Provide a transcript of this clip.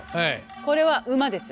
これは馬です。